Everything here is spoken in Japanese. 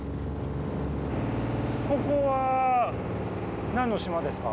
ここはなんの島ですか？